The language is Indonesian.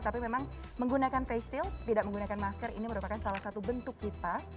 tapi memang menggunakan face shield tidak menggunakan masker ini merupakan salah satu bentuk kita